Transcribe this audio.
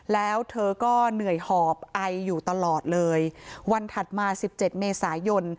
แล้วเธอก็เหนื่อยหอบไออยู่ตลอดเลยวันถัดมาสิบเจ็ดเมษายน